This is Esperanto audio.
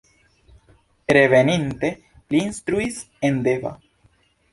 Reveninte li instruis en Deva.